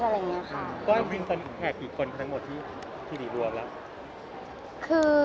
ความวินปัญห์อีกแผ่กี่คนทั้งหมดที่หลีดรวมแล้ว